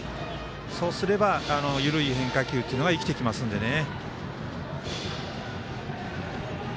そうすれば緩い変化球っていうのが生きてきますのでね。